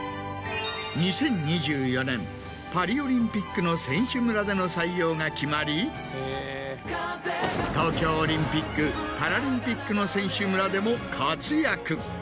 ２０２４年パリオリンピックの選手村での採用が決まり東京オリンピック・パラリンピックの選手村でも活躍。